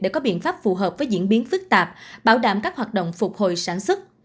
để có biện pháp phù hợp với diễn biến phức tạp bảo đảm các hoạt động phục hồi sản xuất